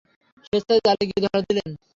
স্বেচ্ছায় জালে গিয়ে ধরা দিলেন।